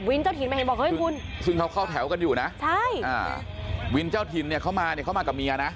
เจ้าถิ่นมาเห็นบอกเฮ้ยคุณซึ่งเขาเข้าแถวกันอยู่นะใช่อ่าวินเจ้าถิ่นเนี่ยเขามาเนี่ยเขามากับเมียนะ